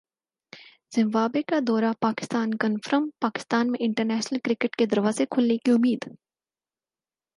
Zimbabwe کا دورہ Pakistan confirm Pakistan میں انٹرنیشنل کرکٹ کے دروازے کھلنے کی امید